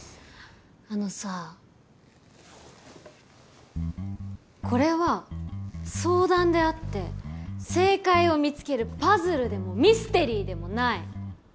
あのさこれは相談であって正解を見つけるパズルでもミステリーでもない。